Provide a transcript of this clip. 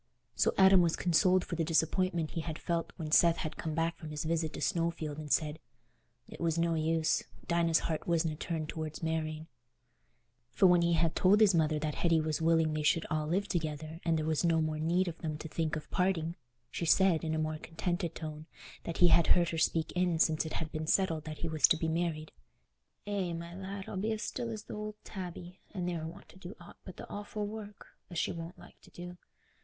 So Adam was consoled for the disappointment he had felt when Seth had come back from his visit to Snowfield and said "it was no use—Dinah's heart wasna turned towards marrying." For when he told his mother that Hetty was willing they should all live together and there was no more need of them to think of parting, she said, in a more contented tone than he had heard her speak in since it had been settled that he was to be married, "Eh, my lad, I'll be as still as th' ould tabby, an' ne'er want to do aught but th' offal work, as she wonna like t' do.